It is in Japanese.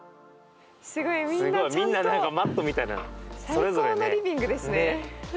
最高のリビングですね。ね！